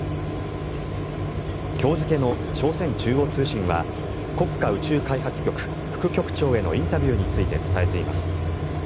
今日付の朝鮮中央通信は国家宇宙開発局副局長へのインタビューについて伝えています。